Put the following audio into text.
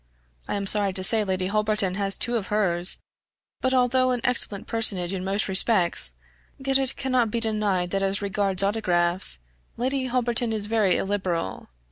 I am sorry to say Lady Holberton has two of hers; but although an excellent person in most respects, yet it cannot be denied that as regards autographs, Lady Holberton is very illiberal.